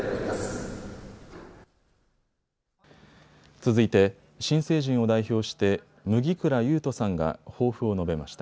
続いて新成人を代表して麦倉悠斗さんが抱負を述べました。